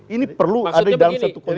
ini perlu ada di dalam satu konegi